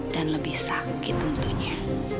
dan lebih sakit tentunya